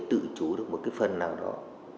tự chủ được một cái phần nào đó